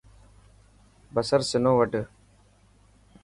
بصر سنو وڌ.